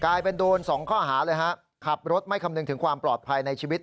กลายเป็นโดนสองข้อหาเลยฮะขับรถไม่คำนึงถึงความปลอดภัยในชีวิต